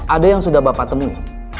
ada yang sudah bapak temui